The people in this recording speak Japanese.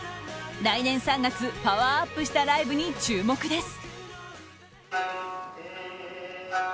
来年３月、パワーアップしたライブに注目です。